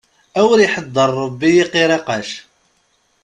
Awer iḥeddaṛ Ṛebbi i qiriqac.